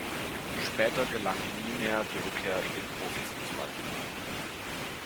Später gelang nie mehr die Rückkehr in den Profifußball.